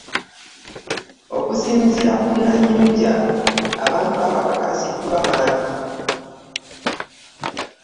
Okusinziira ku Nannyunja, abantu abaakakasiddwa bangi